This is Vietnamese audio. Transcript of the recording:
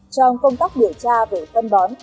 trong công tác biểu tra về phân bón